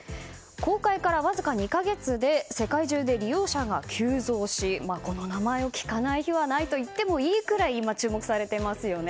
公開からわずか２か月で世界中で利用者が急増しこの名前を聞かない日はないといってもいいくらい今、注目されていますよね。